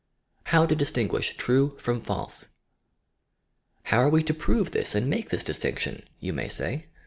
HOW TO DlSTiNQUISn TBLfE PROM FALSE ■'How are we to prove this and make this distinc tion!" you may say.